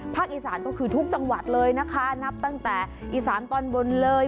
อีสานก็คือทุกจังหวัดเลยนะคะนับตั้งแต่อีสานตอนบนเลย